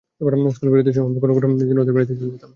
School বিরতির সময় আমরা কোনো কোনো দিন ওদের বাড়ি চলে যেতাম।